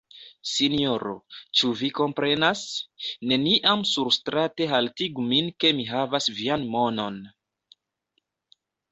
Sinjoro, ĉu vi komprenas? Neniam surstrate haltigu min ke mi havas vian monon.